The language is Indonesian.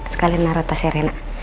sekalian naruh tas serena